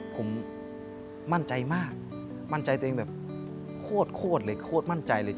ผมมั่นใจมากมั่นใจตัวเองแบบโคตรโคตรเลยโคตรมั่นใจเลย